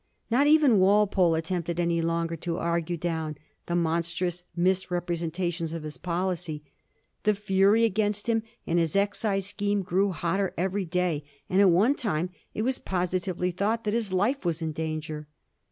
Not even Walpole attempted any longer to argue down the monstrous misrepresentations of his policy. The fury against him and his excise scheme grew hotter every day, and at one time it was positively thought that his life was in danger.